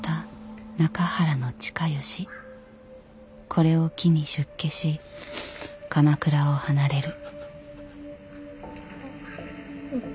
これを機に出家し鎌倉を離れる。